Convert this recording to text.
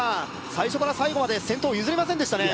最初から最後まで先頭を譲りませんでしたね